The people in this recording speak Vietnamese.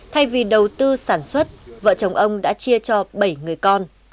thay vì đầu tư sản xuất vợ chồng ông đã chia cho bảy người con